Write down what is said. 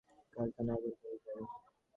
এতে একতলা ভবনের ওই কারখানায় আগুন ধরে যায়।